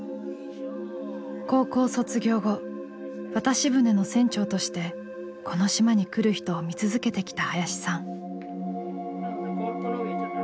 高校卒業後渡し船の船長としてこの島に来る人を見続けてきた林さん。